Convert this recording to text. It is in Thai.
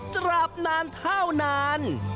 ตราบนานเท่านาน